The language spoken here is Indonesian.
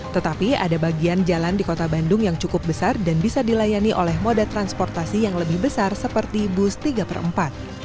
tetapi ada bagian jalan di kota bandung yang cukup besar dan bisa dilayani oleh moda transportasi yang lebih besar seperti bus tiga per empat